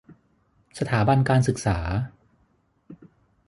สถาบันการศึกษา